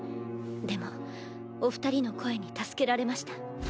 でもお二人の声に助けられました。